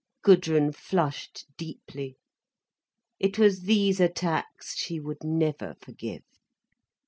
Gudrun flushed deeply. It was these attacks she would never forgive.